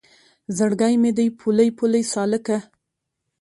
زړګی مې دی پولۍ پولۍ سالکه